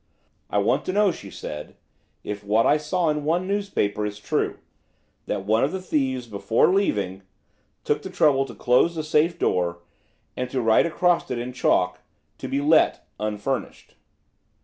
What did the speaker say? "I want to know," she said, "If what I saw in one newspaper is true–that one of the thieves before leaving, took the trouble to close the safe door, and to write across it in chalk: 'To be let, unfurnished'?"